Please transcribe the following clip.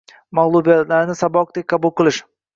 Mag‘lubiyatlarni saboqdek qabul qilish.